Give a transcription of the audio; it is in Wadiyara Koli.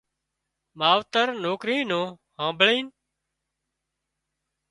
ماوتر نوڪرِي نُون هانڀۯينَ